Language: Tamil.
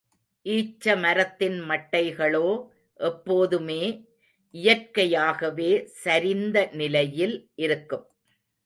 ஈச்ச மரத்தின் மட்டைகளோ எப்போதுமே இயற்கையாகவே சரிந்த நிலையில் இருக்கும்.